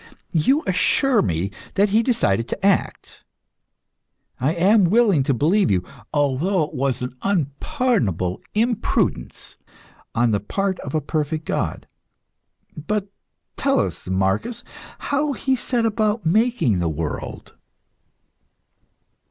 You assure me that He decided to act. I am willing to believe you, although it was an unpardonable imprudence on the part of a perfect God. But tell us, Marcus, how He set about making the world.